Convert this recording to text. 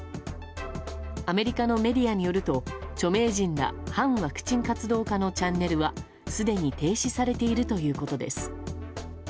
アメリカのメディアによると著名人ら反ワクチン活動家のチャンネルはすでに停止されているということです。